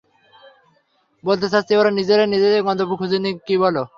বলতে চাচ্ছি, ওরা নিজেরাই নিজেদের গন্তব্য খুঁজে নিক, কী বলো?